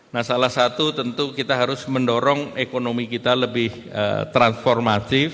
nah salah satu tentu kita harus mendorong ekonomi kita lebih transformatif